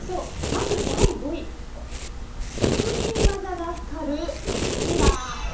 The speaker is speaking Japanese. まず第５位、職人技が光るこちら。